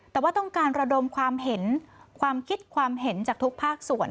แต่ว่าต้องการระดมความเห็นความคิดความเห็นจากทุกภาคส่วน